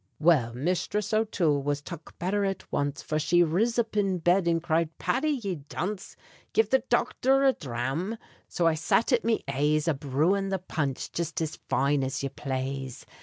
Well, Misthriss O'Toole was tuck betther at once, For she riz up in bed and cried: "Paddy, ye dunce! Give the dochther a dhram." So I sat at me aise A brewin' the punch jist as fine as ye plaze.